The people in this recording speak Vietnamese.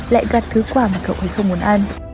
lại gạt thứ quà mà cậu ấy không muốn ăn